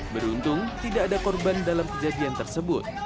beruntung tidak ada korban dalam kejadian tersebut